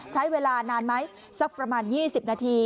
ใช้เวลานานไหมประมาณสัก๒๐นาที